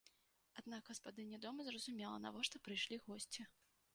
Аднак гаспадыня дома зразумела, навошта прыйшлі госці.